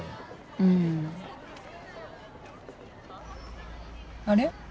うん。あれ？